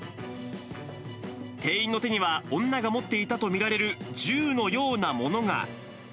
店員の手には、女が持っていたと見られる銃のようなものが。